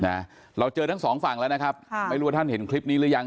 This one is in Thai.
นะเราเจอทั้งสองฝั่งแล้วนะครับค่ะไม่รู้ว่าท่านเห็นคลิปนี้หรือยัง